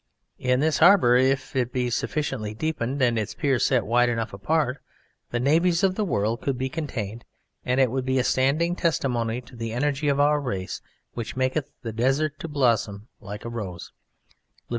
In this harbour, if it be sufficiently deepened and its piers set wide enough apart, the navies of the world could be contained, and it would be a standing testimony to the energy of our race, "which maketh the desert to blossom like a rose" (Lev.